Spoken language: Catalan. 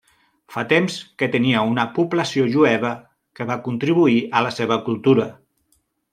Fa temps que tenia una població jueva que va contribuir a la seva cultura.